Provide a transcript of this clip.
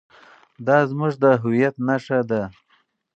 دا زموږ د هویت نښه ده.